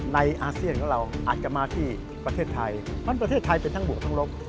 อาเซียนของเราอาจจะมาที่ประเทศไทยเพราะฉะนั้นประเทศไทยเป็นทั้งบวกทั้งลบ